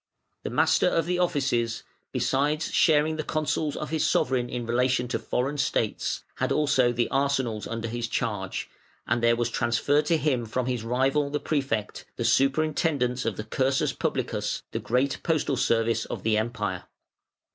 The Master of the Offices, besides sharing the counsels of his sovereign in relation to foreign states, had also the arsenals under his charge, and there was transferred to him from his rival, the Prefect, the superintendence of the cursus publicus, the great postal service of the Empire.